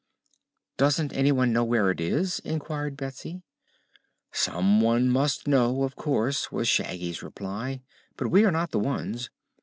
"Doesn't anyone know where it is?" inquired Betsy. "Some one must know, of course," was Shaggy's reply. "But we are not the ones.